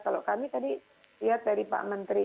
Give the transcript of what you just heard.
kalau kami tadi lihat dari pak menteri